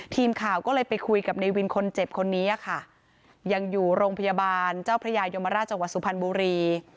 ทีมข่าวก็เลยไปคุยกับในวินคนเจ็บคนนี้ค่ะยังอยู่โรงพยาบาลเจ้าพระยายมราชจังหวัดสุพรรณบุรี